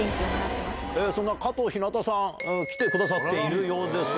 加藤ひなたさん来てくださっているようです。